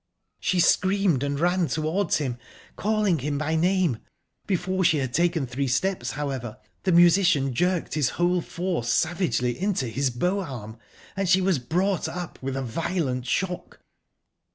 She screamed and ran towards him, calling him by name. Before she had taken three steps, however, the musician jerked his whole force savagely into his bow arm, and she was brought up with a violent shock.